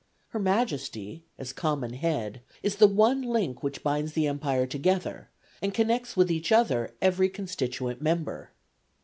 Her Majesty, as common head, is the one link which binds the empire together and connects with each other every constituent member.